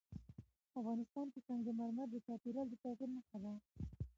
افغانستان کې سنگ مرمر د چاپېریال د تغیر نښه ده.